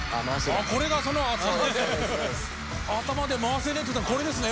あっこれがその頭で回せねえっていったのこれですね。